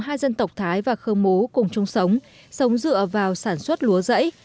các dân tộc thái và khơ mú cùng chung sống sống dựa vào sản xuất lúa giẫy